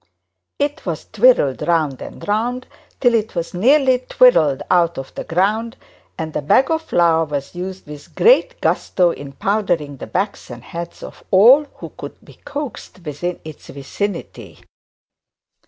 It was twirled round and round till it was nearly twisted out of the ground; and the bag of flour was used with great gusto in powdering the backs and heads of all who could be coaxed within the vicinity.